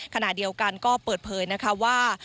ขณะเดียวกันก็เปิดเผยนะคะว่า